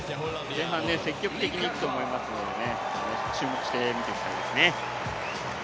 前半、積極的に行くと思うので注目していきたいですね。